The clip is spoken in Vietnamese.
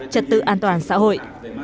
trật tự an toàn xã hội